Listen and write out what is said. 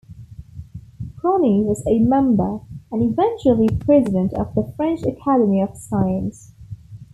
Prony was a member, and eventually president, of the French Academy of Science.